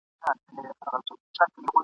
چي هر چا ویل احسان د ذوالجلال وو ..